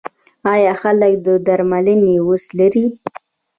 آیا خلک د درملنې وس لري؟